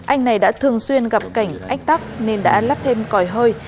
anh này đã thường xuyên gặp cảnh ách tắc nên đã lắp thêm còi hơi